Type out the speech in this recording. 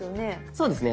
そうですね。